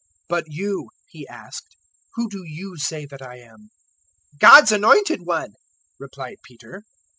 009:020 "But you," He asked, "who do you say that I am?" "God's Anointed One," replied Peter.